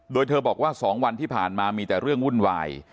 โดยเธอบอกว่า๒วันที่ผ่านมามีแต่เรื่องวุ่นวาย